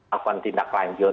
akan tindak lanjut